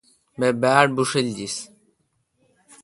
بہ باڑ بھوݭل جس۔